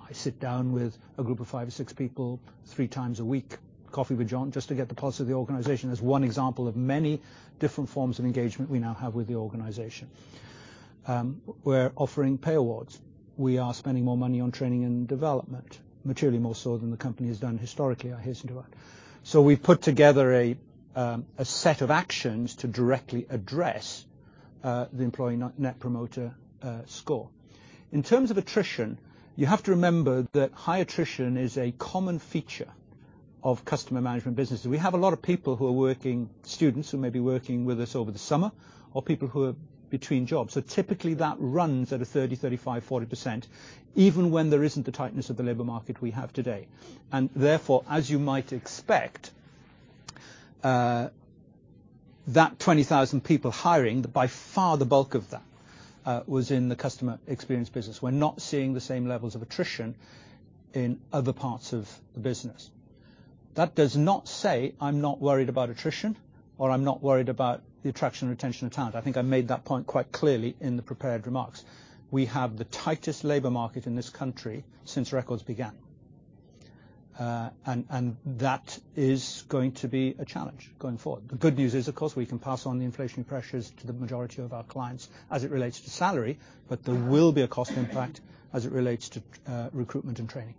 I sit down with a group of five or six people three times a week, Coffee with Jon, just to get the pulse of the organization. That's one example of many different forms of engagement we now have with the organization. We're offering pay awards. We are spending more money on training and development, materially more so than the company has done historically, I hasten to add. We've put together a set of actions to directly address the employee Net Promoter Score. In terms of attrition, you have to remember that high attrition is a common feature of customer management businesses. We have a lot of people who are working students who may be working with us over the summer, or people who are between jobs. Typically that runs at a 30%, 35%, 40%, even when there isn't the tightness of the labor market we have today. Therefore, as you might expect, that 20,000 people hiring, by far the bulk of that, was in the customer experience business. We're not seeing the same levels of attrition in other parts of the business. That does not say I'm not worried about attrition or I'm not worried about the attraction and retention of talent. I think I made that point quite clearly in the prepared remarks. We have the tightest labor market in this country since records began. That is going to be a challenge going forward. The good news is, of course, we can pass on the inflation pressures to the majority of our clients as it relates to salary, but there will be a cost impact as it relates to recruitment and training.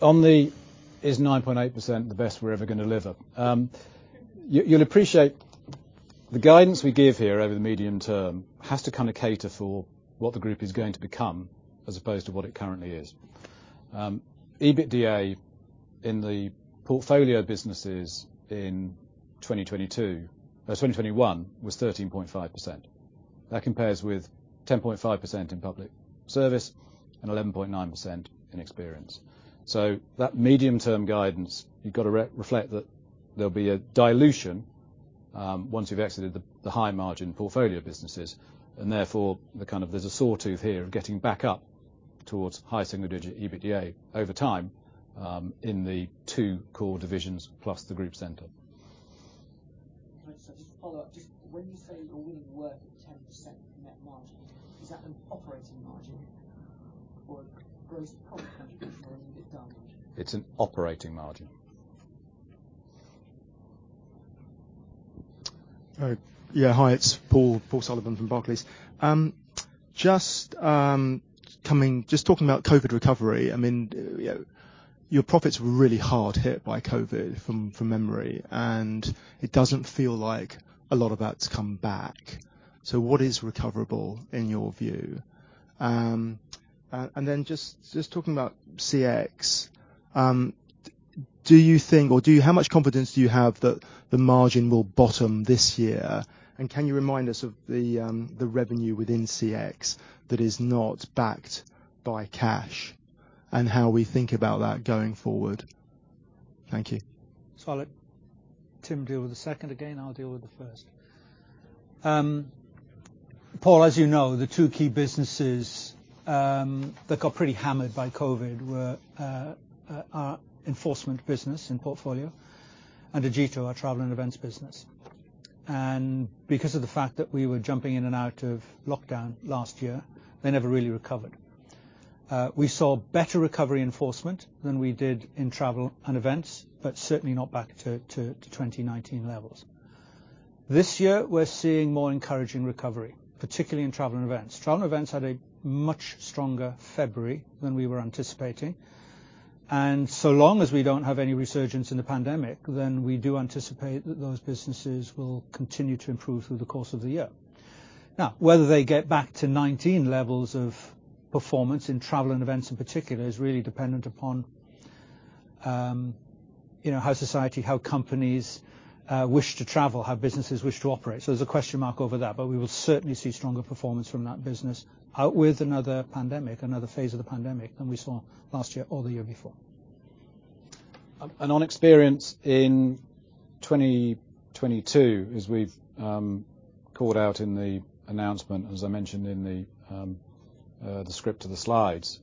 On the "Is 9.8% the best we're ever gonna deliver?" You'll appreciate the guidance we give here over the medium term has to kind of cater for what the group is going to become as opposed to what it currently is. EBITDA in the portfolio businesses in 2021 was 13.5%. That compares with 10.5% in Public Service and 11.9% in Experience. That medium-term guidance, you've got to reflect that there'll be a dilution once you've exited the high-margin portfolio businesses, and therefore there's a sawtooth here of getting back up towards high single-digit EBITDA over time in the two core divisions plus the group center. All right, sir. Just to follow up, just when you say a winning work 10% net margin, is that an operating margin or a gross profit contribution or EBITDA margin? It's an operating margin. Yeah, hi. It's Paul Sullivan from Barclays. Just talking about COVID recovery, I mean, you know, your profits were really hard hit by COVID from memory, and it doesn't feel like a lot of that's come back. What is recoverable in your view? Just talking about CX, how much confidence do you have that the margin will bottom this year? Can you remind us of the revenue within CX that is not backed by cash? How we think about that going forward. Thank you. I'll let Tim deal with the second again, I'll deal with the first. Paul, as you know, the two key businesses that got pretty hammered by COVID were enforcement business in portfolio and Agiito, our travel and events business. Because of the fact that we were jumping in and out of lockdown last year, they never really recovered. We saw better recovery enforcement than we did in travel and events, but certainly not back to 2019 levels. This year, we're seeing more encouraging recovery, particularly in travel and events. Travel and events had a much stronger February than we were anticipating, and so long as we don't have any resurgence in the pandemic, then we do anticipate that those businesses will continue to improve through the course of the year. Now, whether they get back to 19 levels of performance in travel and events in particular is really dependent upon, you know, how society, how companies wish to travel, how businesses wish to operate. There's a question mark over that, but we will certainly see stronger performance from that business without another pandemic, another phase of the pandemic than we saw last year or the year before. On Experience in 2022, as we've called out in the announcement, as I mentioned in the script of the slides,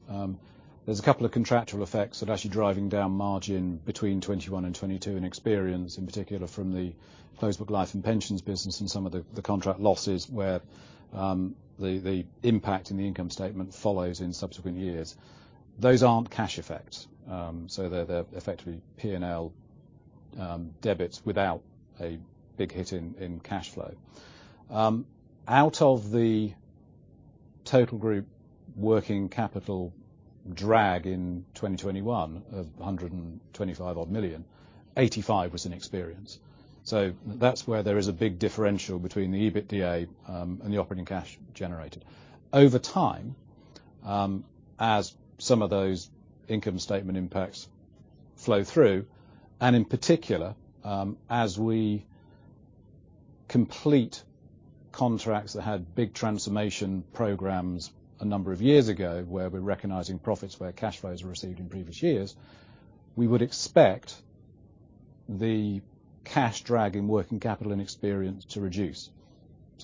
there's a couple of contractual effects that are actually driving down margin between 2021 and 2022 in Experience, in particular from the closed book Life & Pensions business and some of the contract losses where the impact in the income statement follows in subsequent years. Those aren't cash effects. They're effectively P&L debits without a big hit in cash flow. Out of the total group working capital drag in 2021 of 125 odd million, 85 million was in Experience. That's where there is a big differential between the EBITDA and the operating cash generated. Over time, as some of those income statement impacts flow through, and in particular, as we complete contracts that had big transformation programs a number of years ago, where we're recognizing profits where cash flows were received in previous years, we would expect the cash drag and working capital and experience to reduce.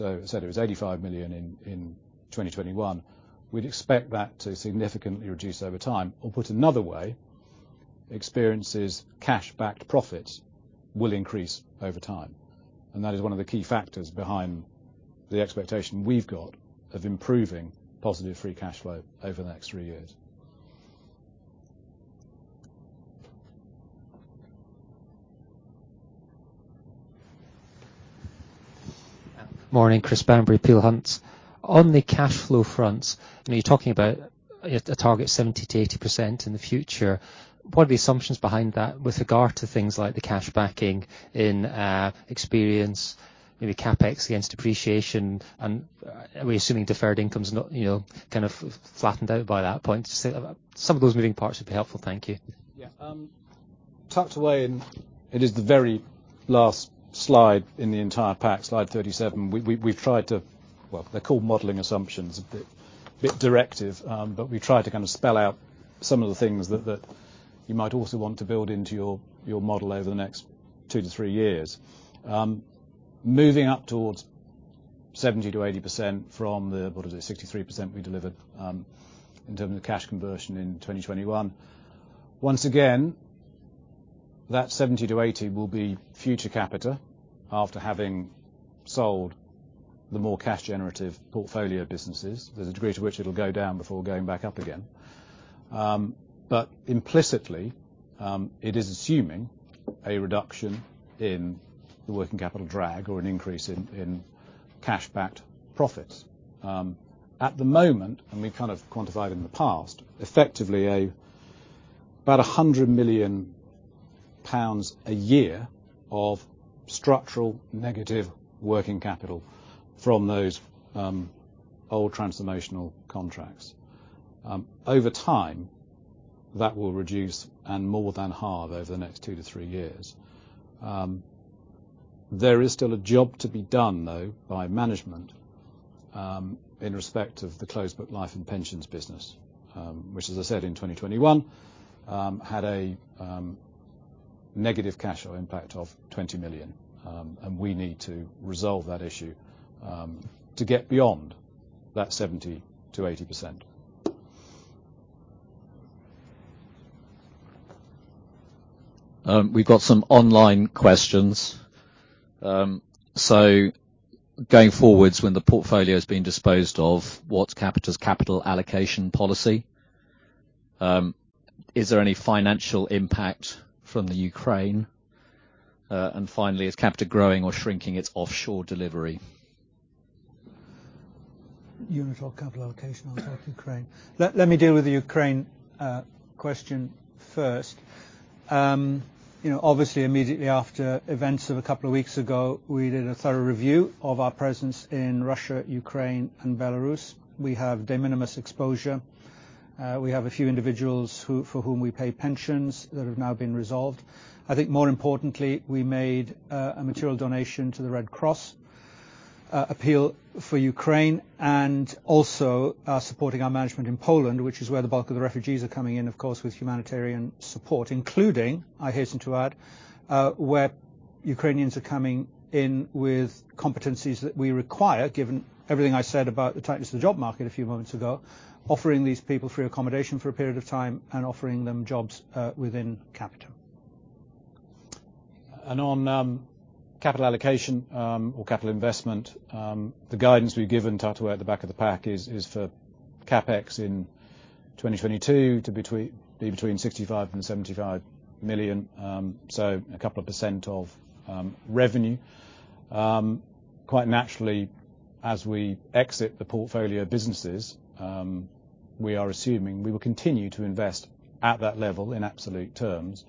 I said it was 85 million in 2021. We'd expect that to significantly reduce over time, or put another way, experiences cash backed profits will increase over time. That is one of the key factors behind the expectation we've got of improving positive free cash flow over the next three years. Morning, Christopher Bamberry, Peel Hunt. On the cash flow front, you know, you're talking about a target 70%-80% in the future. What are the assumptions behind that with regard to things like the cash backing in, experience, maybe CapEx against depreciation? And are we assuming deferred income is not, you know, kind of flattened out by that point? Some of those moving parts would be helpful. Thank you. Yeah. Tucked away in it is the very last slide in the entire pack, slide 37. We've tried to. Well, they're called modeling assumptions. A bit directive, but we tried to kind of spell out some of the things that you might also want to build into your model over the next two to three years. Moving up towards 70%-80% from the 63% we delivered in terms of cash conversion in 2021. Once again, that 70%-80% will be future Capita after having sold the more cash generative portfolio businesses. There's a degree to which it'll go down before going back up again. Implicitly, it is assuming a reduction in the working capital drag or an increase in cash-backed profits. At the moment, we've kind of quantified in the past, effectively about 100 million pounds a year of structural negative working capital from those old transformational contracts. Over time, that will reduce and more than halve over the next two to three years. There is still a job to be done, though, by management in respect of the closed book Life & Pensions business, which, as I said, in 2021, had a negative cash flow impact of 20 million. We need to resolve that issue to get beyond that 70%-80%. We've got some online questions. Going forwards when the portfolio is being disposed of, what's Capita's capital allocation policy? Is there any financial impact from the Ukraine? Finally, is Capita growing or shrinking its offshore delivery? You want to talk capital allocation, I'll talk Ukraine. Let me deal with the Ukraine question first. You know, obviously, immediately after events of a couple of weeks ago, we did a thorough review of our presence in Russia, Ukraine, and Belarus. We have de minimis exposure. We have a few individuals who, for whom we pay pensions that have now been resolved. I think more importantly, we made a material donation to the Red Cross appeal for Ukraine and also supporting our management in Poland, which is where the bulk of the refugees are coming in, of course, with humanitarian support, including, I hasten to add, where Ukrainians are coming in with competencies that we require, given everything I said about the tightness of the job market a few moments ago. Offering these people free accommodation for a period of time and offering them jobs within Capita. On capital allocation or capital investment, the guidance we're given to outlined at the back of the pack is for CapEx in 2022 to be between 65 million and 75 million. A couple of percent of revenue. Quite naturally, as we exit the portfolio businesses, we are assuming we will continue to invest at that level in absolute terms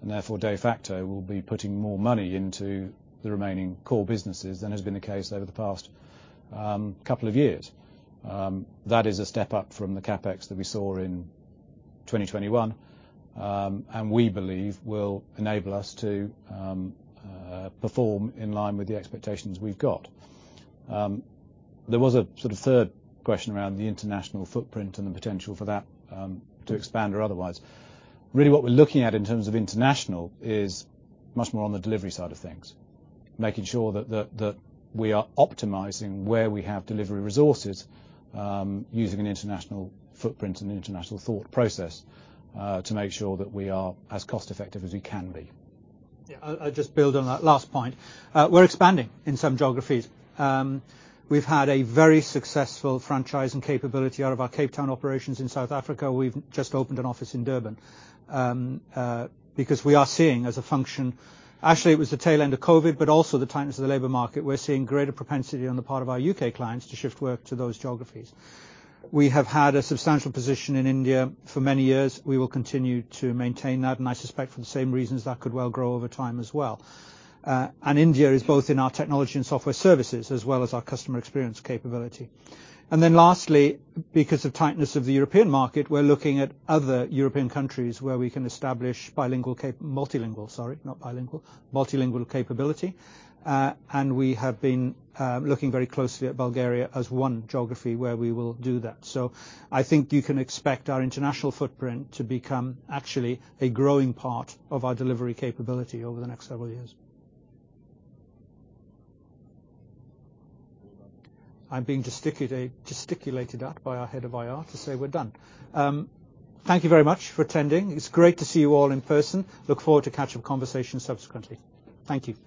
and therefore de facto will be putting more money into the remaining core businesses than has been the case over the past couple of years. That is a step up from the CapEx that we saw in 2021, and we believe will enable us to perform in line with the expectations we've got. There was a sort of third question around the international footprint and the potential for that to expand or otherwise. Really what we're looking at in terms of international is much more on the delivery side of things, making sure that we are optimizing where we have delivery resources, using an international footprint and international thought process, to make sure that we are as cost-effective as we can be. Yeah, I'll just build on that last point. We're expanding in some geographies. We've had a very successful franchising capability out of our Cape Town operations in South Africa. We've just opened an office in Durban. Actually, it was the tail end of COVID, but also the tightness of the labor market, we're seeing greater propensity on the part of our U.K. clients to shift work to those geographies. We have had a substantial position in India for many years. We will continue to maintain that, and I suspect for the same reasons that could well grow over time as well. India is both in our technology and software services, as well as our customer experience capability. Lastly, because of tightness of the European market, we're looking at other European countries where we can establish multilingual, sorry, not bilingual, multilingual capability. We have been looking very closely at Bulgaria as one geography where we will do that. I think you can expect our international footprint to become actually a growing part of our delivery capability over the next several years. I'm being gesticulated at by our head of IR to say we're done. Thank you very much for attending. It's great to see you all in person. Look forward to catch up conversation subsequently. Thank you.